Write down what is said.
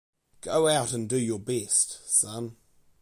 Go out and do your best, son.